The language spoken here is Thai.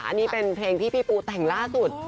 อันนี้เป็นเพลงที่พี่ปูแต่งล่าสุด